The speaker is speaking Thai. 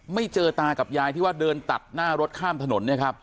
ไม่เจอตากับยายที่ว่าเดินตัดหน้ารถข้ามถนนเนี่ยครับ